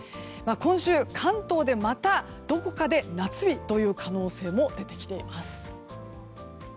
今週、関東でまたどこかで夏日という可能性も出てきています。